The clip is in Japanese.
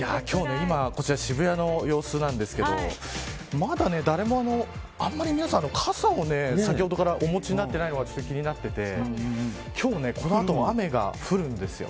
今日は渋谷の様子なんですけどまだ、誰もあまり皆さん傘を先ほどからお持ちになっていなのが気になっていて今日この後、雨が降るんですよ。